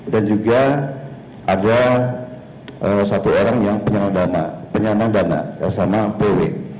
dan juga ada satu orang yang penyandang dana yang sama vw